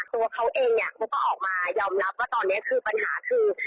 ตัวเขาเองเนี่ยเขาก็ออกมายอมรับว่าตอนนี้คือปัญหาคือ